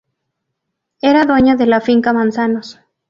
Era dueño de la finca Manzanos.